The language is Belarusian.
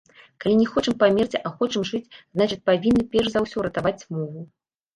Калі не хочам памерці, а хочам жыць, значыць, павінны перш за ўсё ратаваць мову.